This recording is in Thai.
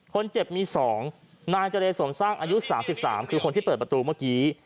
คนเจ็บมี๒นายเจรสมสร้างอายุ๓๓คือคนที่เปิดประตูเมื่อกี้